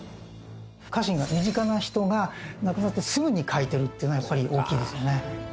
家臣が身近な人が亡くなってすぐに描いてるというのはやっぱり大きいですよね。